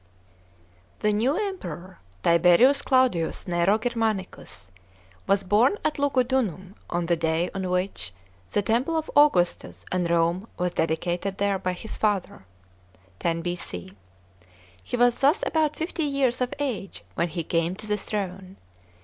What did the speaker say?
§ 2. The new Emperor, Tiberius Claudius Nero Germanicus*, was born at Lugudunum on the day on which the temple of Augustus and Rome was dedicated there by his father (10 B.C.). He was thus about fifty years of age when he came to the throne.